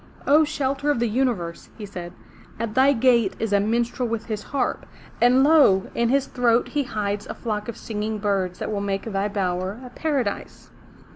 ''O, shelter of the Universe,'' he said, at thy gate is a minstrel with his harp. And lo! in his throat he hides a flock of singing birds that will make thy bower a paradise.